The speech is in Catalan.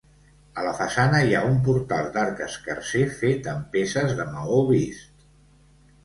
A la façana hi ha un portal d'arc escarser fet amb peces de maó vist.